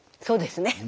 そうですね。